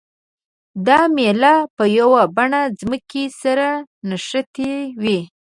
دا میله په یوه بڼه ځمکې سره نښتې وي.